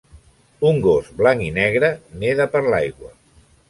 un gos blanc i negre neda per l'aigua